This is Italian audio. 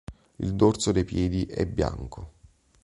Il dorso dei piedi è bianco.